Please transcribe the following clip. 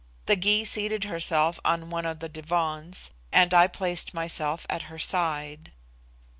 The Gy seated herself on one of the divans, and I placed myself at her side.